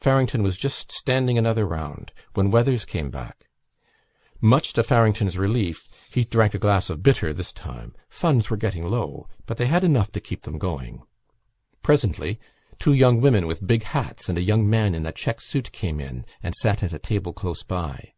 Farrington was just standing another round when Weathers came back. Much to Farrington's relief he drank a glass of bitter this time. Funds were getting low but they had enough to keep them going. Presently two young women with big hats and a young man in a check suit came in and sat at a table close by.